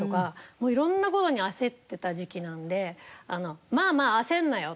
もう色んな事に焦ってた時期なんでまあまあ焦るなよと。